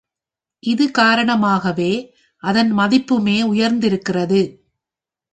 இது காரணமாகவே அதன் மதிப்புமே உயர்ந்திருக்கிறது.